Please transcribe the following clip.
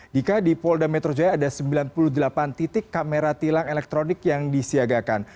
dika di polda metro jaya ada sembilan puluh delapan titik kamera tilang elektronik yang disiagakan